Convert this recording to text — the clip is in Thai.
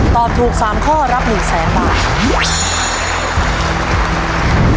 ตอบถูก๓ข้อรับ๑แสนบาท